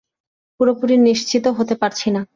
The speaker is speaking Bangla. পুরোপুরি নিশ্চিতও হতে পারছি না।